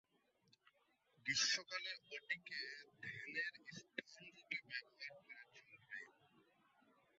গ্রীষ্মকালে ওটিকে ধ্যানের স্থানরূপে ব্যবহার করা চলবে।